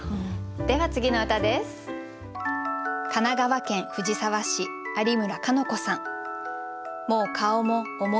では次の歌です。